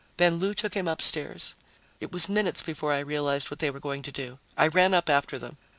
Then Lou took him upstairs. It was minutes before I realized what they were going to do. I ran up after them.